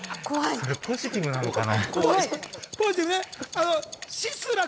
それポジティブなのかな？